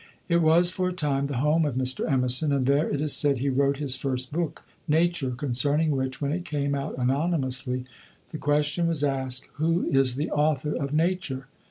It was for a time the home of Mr. Emerson, and there, it is said, he wrote his first book, "Nature," concerning which, when it came out anonymously, the question was asked, "Who is the author of 'Nature'?"